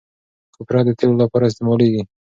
کوپره د تېلو لپاره استعمالیږي.